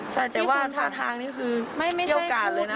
ใช่แต่ว่าทางนี่คือเกี่ยวกันเลยนะพี่